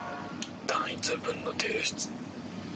単一文の提出